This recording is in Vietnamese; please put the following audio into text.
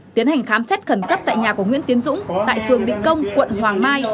tiến hành khám xét khẩn cấp tại nhà của nguyễn tiến dũng tại phường định công quận hoàng mai